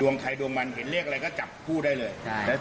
ดวงไทยดวงมันเห็นเรียกอะไรก็จับคู่ได้เลย